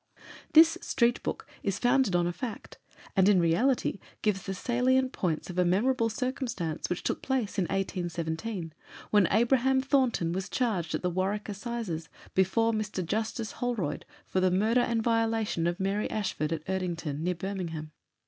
This "street book" is founded on a fact, and, in reality, gives the salient points of a memorable circumstance which took place in 1817, when Abraham Thornton was charged at the Warwick Assizes, before Mr. Justice Holroyd, for the murder and violation of Mary Ashford, at Erdington, near Birmingham.